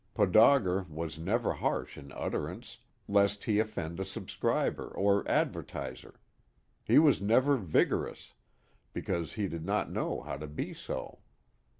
Podauger was never harsh in utterance, lest he offend a subscriber or advertiser; he was never vigorous, because he did not know how to be so.